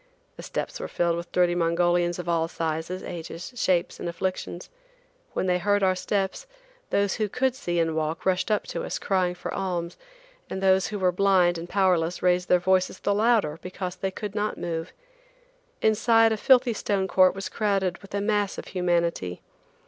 The steps were filled with dirty Mongolians of all sizes, ages, shapes and afflictions. When they heard our steps, those who could see and walk, rushed up to us, crying for alms, and those who were blind and powerless raised their voices the louder because they could not move. Inside, a filthy stone court was crowded with a mass of humanity.